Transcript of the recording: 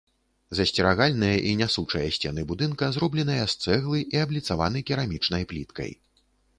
Засцерагальныя і нясучыя сцены будынка зробленыя з цэглы і абліцаваны керамічнай пліткай.